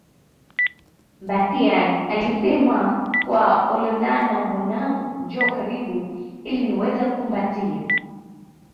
Mbatiany alisema kwa Olonana Mwanangu njoo karibu ili niweze kukukumbatia